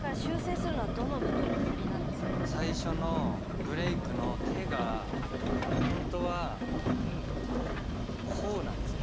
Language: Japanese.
最初のブレイクの手がほんとはこうなんですね。